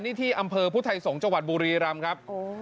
นี่ที่อำเภอพุทธไทยสงศ์จังหวัดบุรีรำครับ